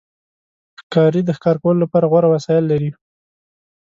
ښکاري د ښکار کولو لپاره غوره وسایل لري.